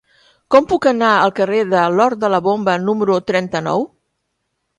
Com puc anar al carrer de l'Hort de la Bomba número trenta-nou?